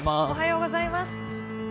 おはようございます。